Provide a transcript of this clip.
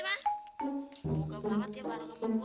mah semoga banget ya para gemuk gue